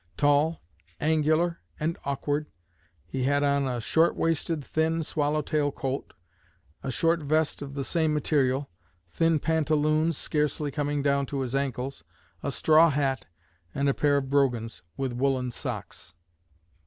Tall, angular, and awkward, he had on a short waisted, thin, swallow tail coat, a short vest of the same material, thin pantaloons scarcely coming down to his ankles, a straw hat, and a pair of brogans, with woollen socks."